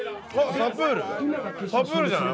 サプールじゃない？